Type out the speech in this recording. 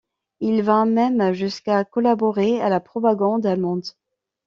Il va même jusqu'à collaborer à la propagande allemande.